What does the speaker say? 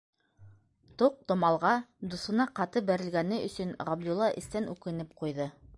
Тоҡ-томалға дуҫына ҡаты бәрелгәне өсөн, Ғабдулла эстән үкенеп ҡуйҙы.